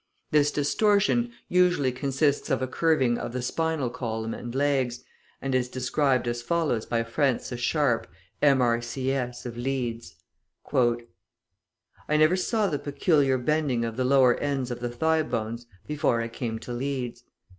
This distortion usually consists of a curving of the spinal column and legs, and is described as follows by Francis Sharp, M.R.C.S., of Leeds: {152b} "I never saw the peculiar bending of the lower ends of the thigh bones before I came to Leeds.